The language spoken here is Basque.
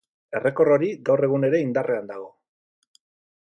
Errekor hori gaur egun ere indarrean dago.